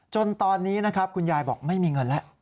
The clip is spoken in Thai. จนตอนนี้นะครับคุณยายบอกไม่มีเงินแล้ว